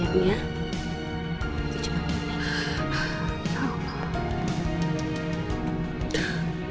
ibu tenang ya ibu